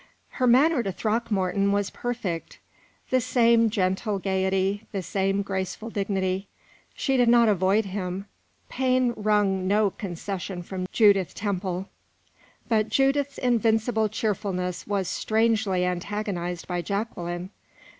Her manner to Throckmorton was perfect; the same gentle gayety, the same graceful dignity. She did not avoid him; pain wrung no such concession from Judith Temple. But Judith's invincible cheerfulness was strangely antagonized by Jacqueline.